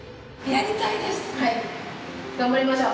頑張りましょう！